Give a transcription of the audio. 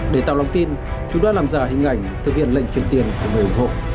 để tạo lòng tin chúng đã làm ra hình ảnh thực hiện lệnh truyền tiền của người ủng hộ